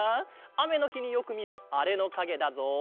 あめのひによくみるあれのかげだぞ！